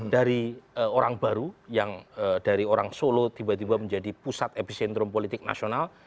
dari orang baru yang dari orang solo tiba tiba menjadi pusat epicentrum politik nasional